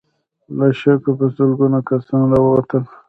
له شګو په سلګونو کسان را ووتل.